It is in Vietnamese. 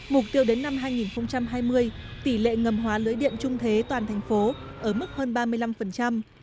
mục tiêu đến năm hai nghìn hai mươi tỷ lệ ngầm hóa lưới điện trung thế toàn thành phố ở mức hơn ba mươi năm